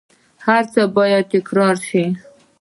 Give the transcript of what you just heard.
هرڅه به بیا تکرار شي